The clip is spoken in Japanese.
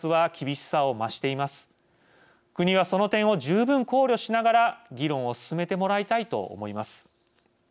国はその点を十分考慮しながら議論を進めてもらいたいと思います。